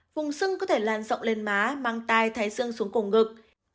vùng dưng có thể lan rộng lên má mang tai thái dưng xuống cổ ngực